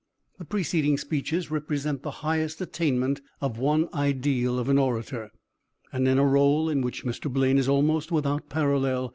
The preceding speeches represent the highest attainment of one ideal of an orator, and in a role in which Mr. Blaine is almost without parallel.